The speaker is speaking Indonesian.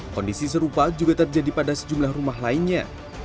kondisi serupa juga terjadi pada sejumlah rumah lainnya